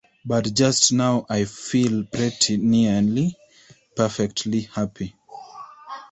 But just now I feel pretty nearly perfectly happy.